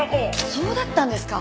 そうだったんですか？